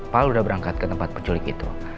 pal udah berangkat ke tempat perjulik itu